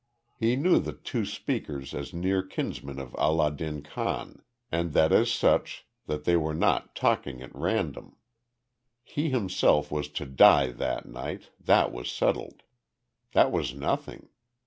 He knew the two speakers as near kinsmen of Allah din Khan, and that as such that they were not talking at random. He himself was to die that night, that was settled. That was nothing.